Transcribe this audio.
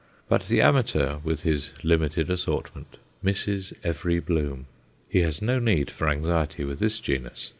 But the amateur, with his limited assortment, misses every bloom. He has no need for anxiety with this genus.